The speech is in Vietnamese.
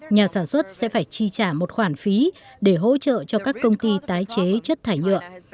nhà sản xuất sẽ phải chi trả một khoản phí để hỗ trợ cho các công ty tái chế chất thải nhựa